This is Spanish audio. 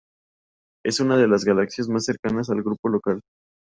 Es una de las galaxias más cercanas al Grupo Local.